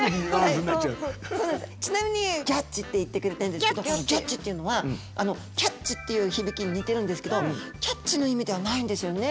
ちなみに「ギョっち」って言ってくれてるんですけど「ギョっち」っていうのは「キャッチ」っていう響きに似てるんですけど「キャッチ」の意味ではないんですよね。